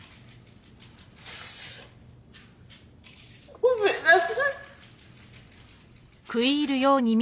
ごめんなさい。